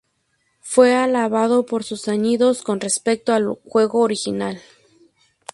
Fue alabado por sus añadidos con respecto al juego original.